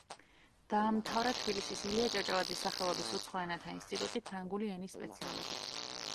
დაამთავრა თბილისის ილია ჭავჭავაძის სახელობის უცხო ენათა ინსტიტუტი ფრანგული ენის სპეციალობით.